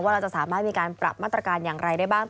เราจะสามารถมีการปรับมาตรการอย่างไรได้บ้าง